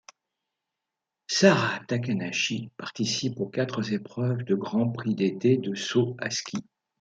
Sara Takanashi participe aux quatre épreuves de Grand Prix d'été de saut à ski.